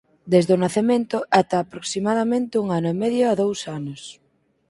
Desde o nacemento ata aproximadamente un ano e medio a dous anos.